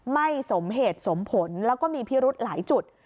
ไม่สมเหตุสมผลแล้วก็มีพิรุธหลายจุด